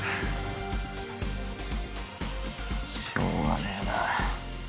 チッしょうがねえな。